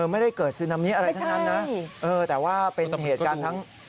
ไม่ได้เกิดซึนามิอะไรทั้งนั้นนะแต่ว่าเป็นเหตุการณ์ทั้ง